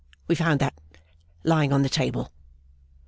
We found that, lying on the table.